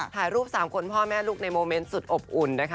ถ่ายรูป๓คนพ่อแม่ลูกในโมเมนต์สุดอบอุ่นนะคะ